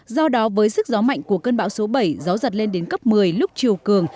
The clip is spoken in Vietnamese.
do đó với sức gió mạnh của cơn bão số bảy gió giật lên đến cấp một mươi lúc chiều cường